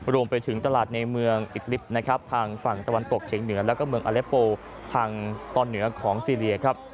รวมไปถึงตลาดในเมืองอิดลิฟต์นะครับทางฝั่งตะวันตกเฉียงเหนือแล้วก็เมืองอเล็ปโปทางตอนเหนือของซีเรียครับ